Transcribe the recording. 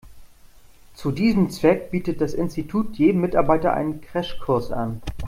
Zu diesem Zweck bietet das Institut jedem Mitarbeiter einen Crashkurs an.